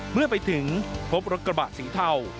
เมื่อไปถึงพบรถกระบะสีเทา